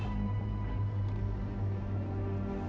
ya dull apa kau